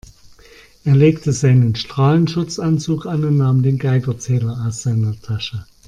Er legte seinen Strahlenschutzanzug an und nahm den Geigerzähler aus seiner Tasche.